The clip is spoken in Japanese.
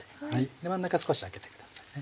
真ん中少し開けてくださいね。